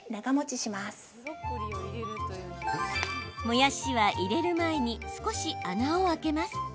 もやしは入れる前に少し穴を開けます。